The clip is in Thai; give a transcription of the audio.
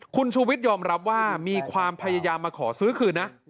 คุณชูวิทยอมรับว่ามีความพยายามมาขอซื้อคืนนะ